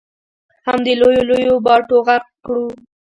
همدې لویو لویو باټو غرق کړو.